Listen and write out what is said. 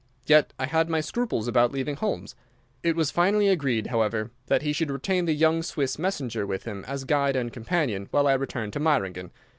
Yet I had my scruples about leaving Holmes. It was finally agreed, however, that he should retain the young Swiss messenger with him as guide and companion while I returned to Meiringen.